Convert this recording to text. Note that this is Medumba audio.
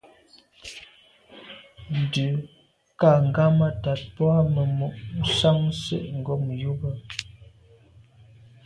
Ndù kà ghammatat boa memo’ nsan se’ ngom yube.